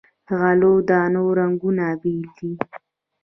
د غلو دانو رنګونه بیل دي.